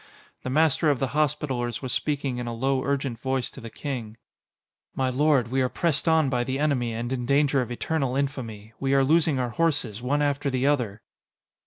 The Master of the Hospitallers was speaking in a low, urgent voice to the King: "My lord, we are pressed on by the enemy and in danger of eternal infamy. We are losing our horses, one after the other!"